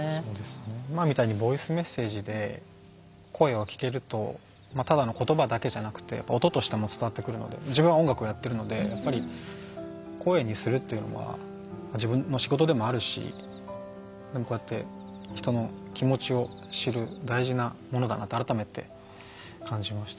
今みたいにボイスメッセージで声を聞けるとただの言葉だけじゃなくて音としても伝わってくるので自分は音楽をやっているのでやっぱり、声にするっていうのは自分の仕事でもあるしこうやって人の気持ちを知る大事なものだなと改めて感じました。